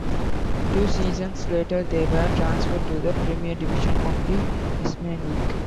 Two seasons later they were transferred to the Premier Division of the Isthmian League.